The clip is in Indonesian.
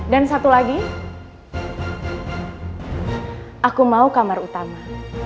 dan satu lagi aku mau kamar utama